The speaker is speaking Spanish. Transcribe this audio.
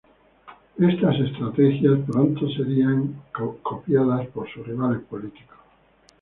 Estas estrategias pronto serían copiadas por sus rivales políticos.